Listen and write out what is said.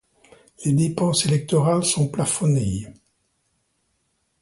Les dépenses électorales sont plafonnées.